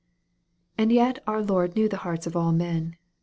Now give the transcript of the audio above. And yet our Lord knew the hearts of all men.